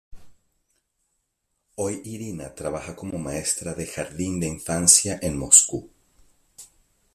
Hoy Irina trabaja como maestra de jardín de infancia en Moscú.